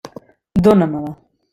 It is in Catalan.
Dóna-me-la.